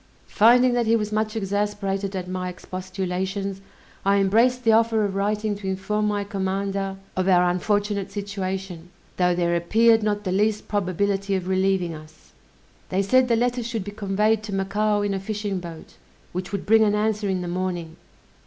Finding that he was much exasperated at my expostulations, I embraced the offer of writing to inform my commander of our unfortunate situation, though there appeared not the least probability of relieving us. They said the letter should be conveyed to Macao in a fishing boat, which would bring an answer in the morning.